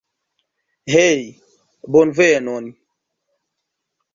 Hej, bonvenon.